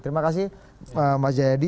terima kasih mas jayadi